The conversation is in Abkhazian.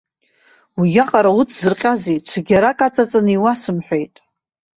Уиаҟара уҵзырҟьазеи, цәгьарак аҵаҵаны иуасымҳәеит.